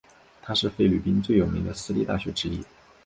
它是菲律宾最有名的私立大学之一。